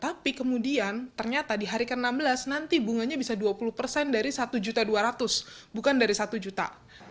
tapi kemudian ternyata di hari ke enam belas nanti bunganya bisa dua puluh persen dari satu juta dua ratus bukan dari satu juta